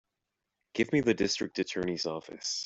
Give me the District Attorney's office.